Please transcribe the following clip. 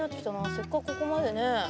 せっかくここまでね。